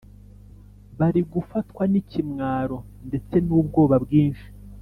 bari gufatwa n’ikimwaro ndetse n’ubwoba bwinshi